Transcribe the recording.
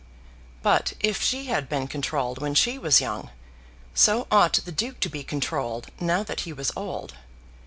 But if she had been controlled when she was young, so ought the Duke to be controlled now that he was old.